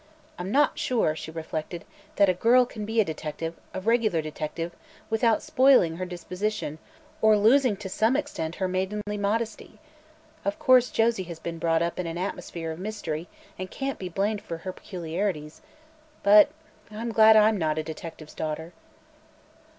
"I'm not sure," she reflected, "that a girl can be a detective a regular detective without spoiling her disposition or losing to some an extent her maidenly modesty. Of course, Josie has been brought up in an atmosphere of mystery and can't be blamed for her peculiarities, but I'm glad I'm not a detective's daughter."